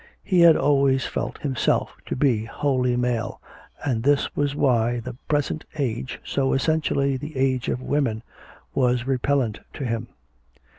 He had always felt himself to be wholly male, and this was why the present age, so essentially the age of women, was repellent to him.